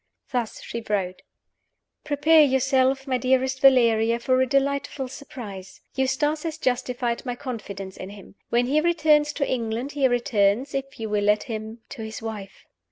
Thus she wrote: "Prepare yourself, my dearest Valeria, for a delightful surprise. Eustace has justified my confidence in him. When he returns to England, he returns if you will let him to his wife.